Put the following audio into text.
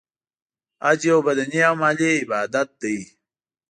حج یو بدنې او مالی عبادت دی .